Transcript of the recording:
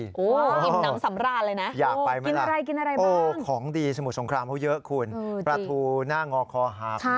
อู้วอิ่มน้ำสำราญเลยนะอยากไปไหมล่ะอู้วของดีสมุดสงครามเขาเยอะคุณประทูหน้างอคอหาพ